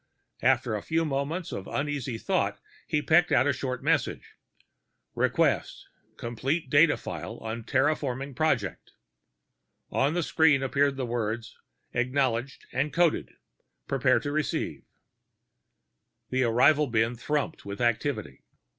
After a few moments of uneasy thought he pecked out the short message, Request complete data file on terraforming project. On the screen appeared the words, Acknowledged and coded; prepare to receive. The arrival bin thrummed with activity.